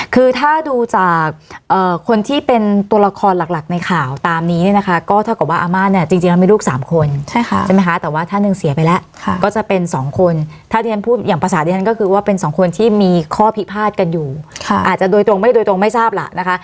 คือถ้าดูจากคนที่เป็นตัวละครหลักในข่าวตามนี้เนี่ยนะคะก็เท่ากับว่าอาม่าเนี่ยจริงแล้วมีลูก๓คนใช่ไหมคะแต่ว่าท่านหนึ่งเสียไปแล้วก็จะเป็นสองคนถ้าที่ฉันพูดอย่างภาษาที่ฉันก็คือว่าเป็นสองคนที่มีข้อพิพาทกันอยู่อาจจะโดยตรงไม่โดยตรงไม่ทราบล่ะนะคะ